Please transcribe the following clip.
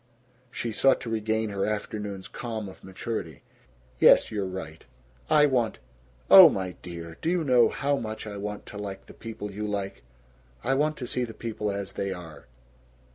She sought to regain her afternoon's calm of maturity. "Yes. You're right. I want oh, my dear, do you know how much I want to like the people you like? I want to see people as they are."